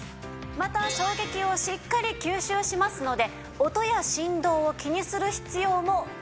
また衝撃をしっかり吸収しますので音や振動を気にする必要もないんです！